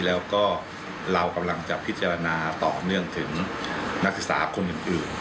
แล้วก็เรากำลังจะพิจารณาต่อเนื่องถึงนักศึกษาคนอื่น